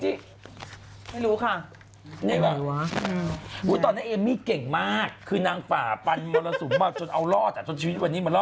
ไหลเอมมี่เก่งมากคือนางฝ่ามหละรู้ชีวิต